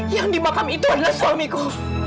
yang dimakam itu adalah suamiku